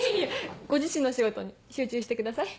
ご自身の仕事に集中してください